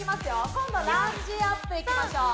今度アップいきましょう。